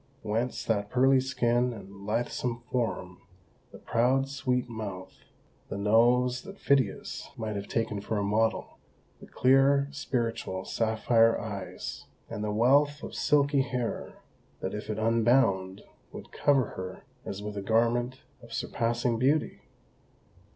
Whence that pearly skin and lithesome form; the proud, sweet mouth, the nose that Phidias might have taken for a model; the clear, spiritual, sapphire eyes, and the wealth of silky hair, that if unbound would cover her as with a garment of surpassing beauty?